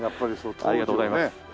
ハハッありがとうございます。